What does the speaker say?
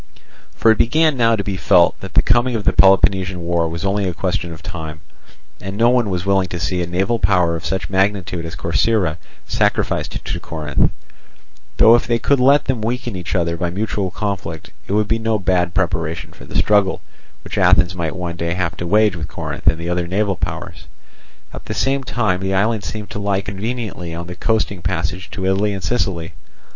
For it began now to be felt that the coming of the Peloponnesian war was only a question of time, and no one was willing to see a naval power of such magnitude as Corcyra sacrificed to Corinth; though if they could let them weaken each other by mutual conflict, it would be no bad preparation for the struggle which Athens might one day have to wage with Corinth and the other naval powers. At the same time the island seemed to lie conveniently on the coasting passage to Italy and Sicily.